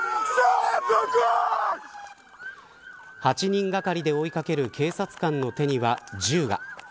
８人がかりで追いかける警察官の手には銃が。